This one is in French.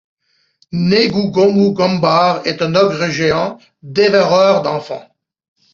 Negoogunogumbar est un ogre-géant dévoreur d'enfants.